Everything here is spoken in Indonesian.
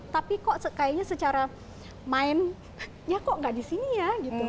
tapi kok kayaknya secara mind ya kok enggak di sini ya